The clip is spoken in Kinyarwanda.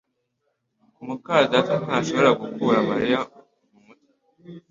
muka data ntashobora gukura Mariya mumutwe